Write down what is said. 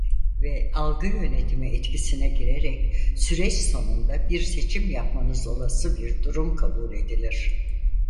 Ve algı yönetimi etkisine girerek süreç sonunda bir seçim yapmanız olası bir durum kabul edilir.